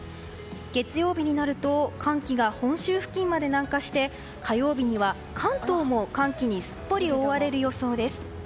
月曜日になると寒気が本州付近にまで南下して火曜日には関東も寒気にすっぽり覆われる予想です。